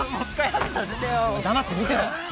黙って見てろ。